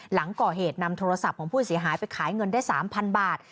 หลังก่อเหตุนำโทรศัพท์ของผู้เสียหายไปขายเงินได้๓๐๐บาท